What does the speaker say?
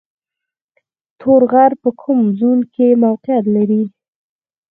تور غر په کوم زون کې موقعیت لري؟